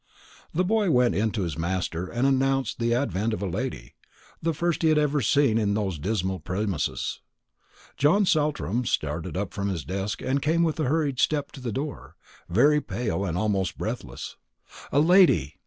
The boy went in to his master and announced the advent of a lady, the first he had ever seen in those dismal premises. John Saltram started up from his desk and came with a hurried step to the door, very pale and almost breathless. "A lady!"